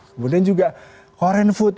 kemudian juga korean food